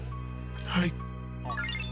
はい。